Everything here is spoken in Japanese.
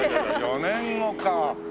４年後か。